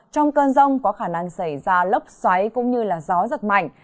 trong cơn rông có khả năng xảy ra lốc xoáy cũng như gió giật mạnh